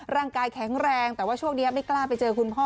ร่างกายแข็งแรงแต่ว่าช่วงนี้ไม่กล้าไปเจอคุณพ่อ